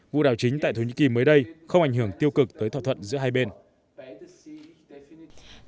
vụ đảo chính tại thổ nhĩ kỳ mới đây không ảnh hưởng tiêu cực tới thỏa thuận giữa hai bên